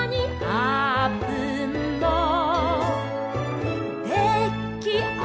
「あーぷんのできあがり」